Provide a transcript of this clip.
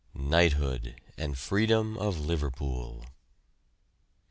KNIGHTHOOD AND FREEDOM OF LIVERPOOL.